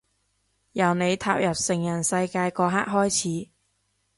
由你踏入成人世界嗰刻開始